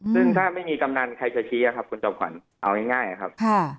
ซึ่งถ้าไม่มีกำนันใครจะชี้ครับคุณจอมขวัญเอาง่ายครับ